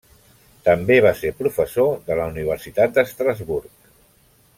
També va ser professor de la Universitat d'Estrasburg.